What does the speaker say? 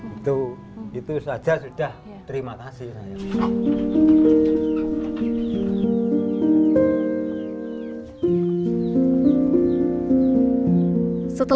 itu itu saja sudah terima kasih saya